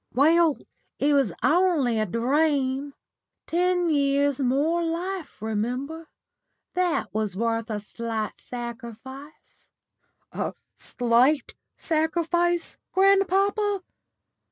"Well, it was only a dream. Ten years more life, remember. That was worth a slight sacrifice." "A slight sacrifice, grandpapa!"